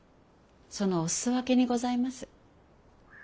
そのお裾分けにございます。